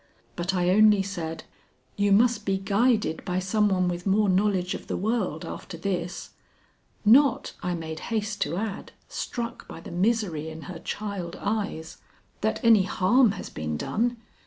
But I only said, "You must be guided by some one with more knowledge of the world after this. Not," I made haste to add, struck by the misery in her child eyes, "that any harm has been done.